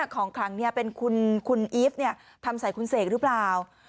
ของขลังเป็นคุณอีฟทำใส่คุณเสกหรือเปล่า